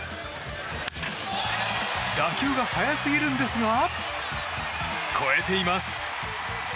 打球が速すぎるんですが越えています。